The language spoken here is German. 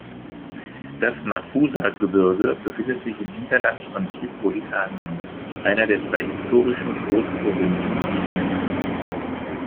Das Nafusa-Gebirge befindet sich im Hinterland von Tripolitanien, einer der drei historischen Großprovinzen Libyens.